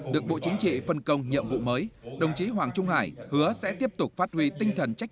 được bộ chính trị phân công nhiệm vụ mới